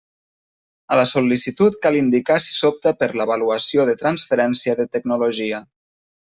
A la sol·licitud cal indicar si s'opta per l'avaluació de transferència de tecnologia.